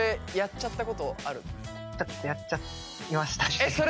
ちょっとやっちゃいましたね。